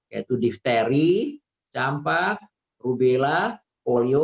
yaitu difteri campak rubella polio